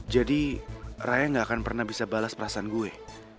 jadi raya ga akan pernah bisa balas perasaan gue